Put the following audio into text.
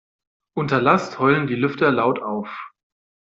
Unter Last heulen die Lüfter laut auf.